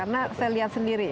karena saya lihat sendiri ya